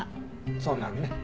そうなるね。